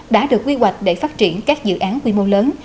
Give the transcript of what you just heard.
đã được quy hoạch để phát triển các dự án quy mô lớn